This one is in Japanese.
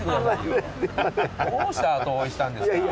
どうして後追いしたんですか。